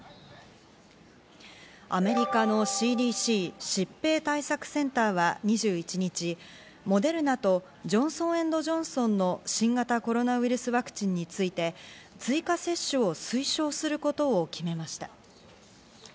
アメリカのＣＤＣ＝疾病対策センターは２１日、モデルナとジョンソン・エンド・ジョンソンの新型コロナウイルスワクチンについて追加接種を推奨することを決めました。